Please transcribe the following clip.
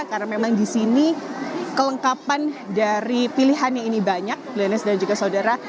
karena memang di sini kelengkapan dari pilihan yang ini banyak glenis dan juga saudara